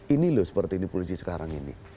ini loh seperti ini polisi sekarang ini